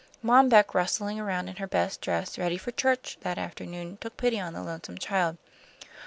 Mom Beck, rustling around in her best dress ready for church, that afternoon, took pity on the lonesome child.